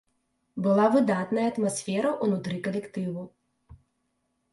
Была выдатная атмасфера ўнутры калектыву.